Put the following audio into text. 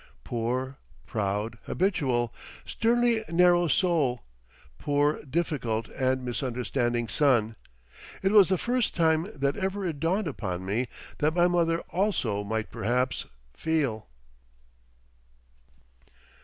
Poor, proud, habitual, sternly narrow soul! poor difficult and misunderstanding son! it was the first time that ever it dawned upon me that my mother also might perhaps feel.